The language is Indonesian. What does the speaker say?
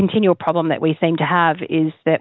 terutama di daerah pedesaan